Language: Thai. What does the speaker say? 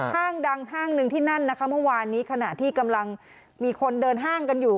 ห้างดังห้างหนึ่งที่นั่นนะคะเมื่อวานนี้ขณะที่กำลังมีคนเดินห้างกันอยู่